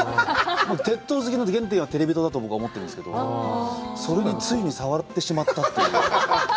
鉄塔好きの原点はテレビ塔だと僕は思っているんですけど、それについに触ってしまったという。